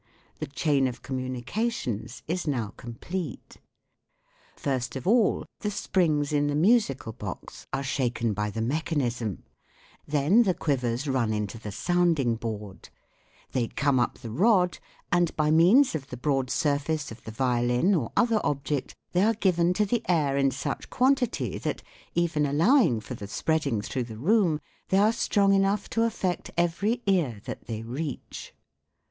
The chain of communications is now complete. First of all the springs in the musical box are shaken by the mechanism, then the quivers run into the sounding board ; they come up the rod, and by means of the broad surface of the violin or other object they are given to the air in such quantity that, even allowing for the spreading through the room, they are strong enough to affect every ear that they reach.